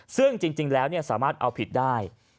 ซึ่งจริงแล้วสามารถเอาผิดได้